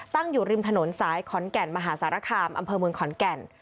ตั้งอยู่ริมถนนสายขอนแก่นมหาสารคามอำเภอเมืองขอนแก่น